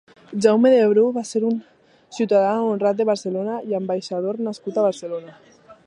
Jaume de Bru va ser un «Ciutadà honrat de Barcelona i ambaixador» nascut a Barcelona.